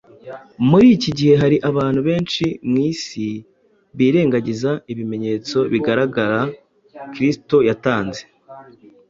Muri iki gihe, hari abantu benshi mu isi birengagiza ibimenyetso bigaragara Kristo yatanze